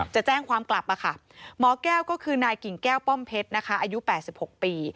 จะแจ้งความกลับมาค่ะหมอแก้วก็คือนายกิ่งแก้วป้อมเพชรนะคะอายุ๘๖ปี